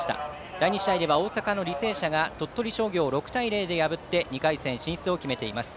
第２試合では大阪の履正社が鳥取商業を６対０で破って２回戦進出を決めています。